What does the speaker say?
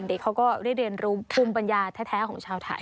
เด็กเขาก็ได้เรียนรู้ภูมิปัญญาแท้ของชาวไทย